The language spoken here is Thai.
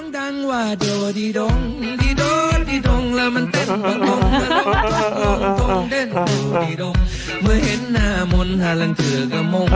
ท่านเล่นละครด้วยนะครับ